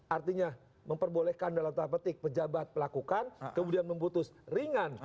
artinya memperbolehkan dalam tanda petik pejabat pelakukan kemudian memutus ringan